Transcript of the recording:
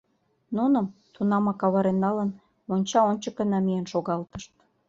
Нуным, тунамак авырен налын, монча ончыко намиен шогалтышт.